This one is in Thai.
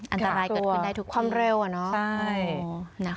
อันตรายเกิดขึ้นได้ทุกทีใช่อันตรายเกิดขึ้นได้ทุกที